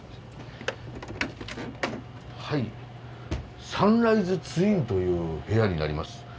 はいサンライズツインという部屋になります。